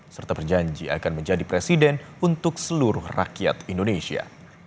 serta berjanji akan menjadi presiden untuk seluruh rakyat indonesia